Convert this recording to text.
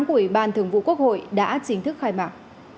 của ủy ban thường vụ quốc hội đã chính thức khai mạc